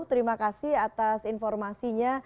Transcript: terima kasih atas informasinya